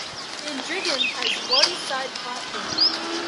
Sandringham has one side platform.